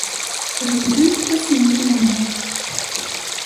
Rewlen ass n yimenɣi.